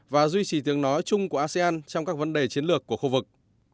và duy trì tiếng nói chung của asean trong các vấn đề chiến lược của khu vực